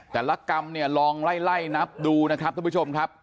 กรรมเนี่ยลองไล่นับดูนะครับท่านผู้ชมครับ